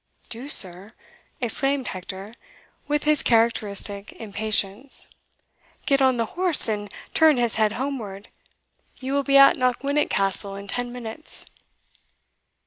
"Do, sir?" exclaimed Hector, with his characteristic impatience, "get on the horse, and turn his head homeward you will be at Knockwinnock Castle in ten minutes."